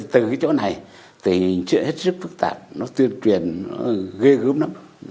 từ cái chỗ này thì chuyện hết rất phức tạp nó tuyên truyền ghê gớm lắm